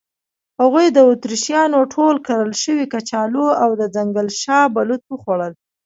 هغوی د اتریشیانو ټول کرل شوي کچالو او د ځنګل شاه بلوط وخوړل.